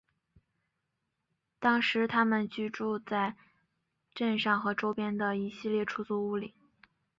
当时他们租住在镇上和周边的一系列出租屋里。